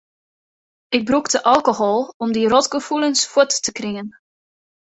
Ik brûkte alkohol om dy rotgefoelens fuort te kringen.